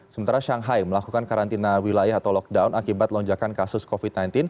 sementara shanghai melakukan karantina wilayah atau lockdown akibat lonjakan kasus covid sembilan belas